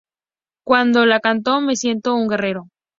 Cuando la canto me siento un guerrero.